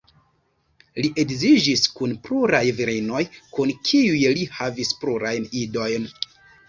Li edziĝis kun pluraj virinoj kun kiuj li havis plurajn idojn.